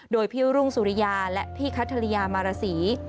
โดยพี่รุ่งสุริยาและพี่คัทธริยามารสี